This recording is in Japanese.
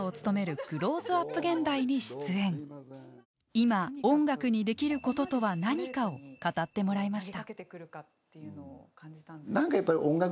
いま音楽にできることとは何かを語ってもらいました。